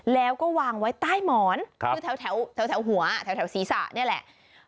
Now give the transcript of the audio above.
แล้วก็วางไว้ใต้หมอนคือแถวหัวแถวศีรษะนี่แหละ